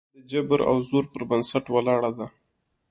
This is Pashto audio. دوهمه یې د جبر او زور پر بنسټ ولاړه ده